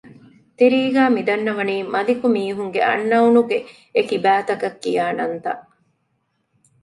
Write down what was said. ތިރީގައި މިދަންނަވަނީ މަލިކު މީހުންގެ އަންނައުނުގެ އެކި ބައިތަކަށް ކިޔާ ނަންތައް